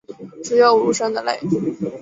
只有无声的泪